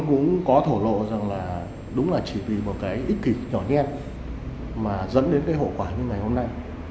cũng có thổ lộ rằng là đúng là chỉ vì một cái ích kịch nhỏ nhen mà dẫn đến cái hậu quả như ngày hôm nay